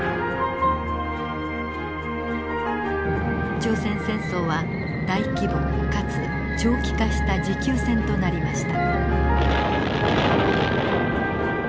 朝鮮戦争は大規模かつ長期化した持久戦となりました。